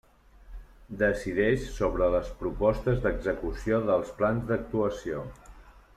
Decideix sobre les propostes d'execució dels plans d'actuació.